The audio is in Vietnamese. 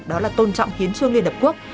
đó là tôn trọng hiến trương liên hợp quốc